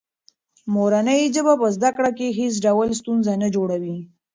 مورنۍ ژبه په زده کړه کې هېڅ ډول ستونزه نه جوړوي.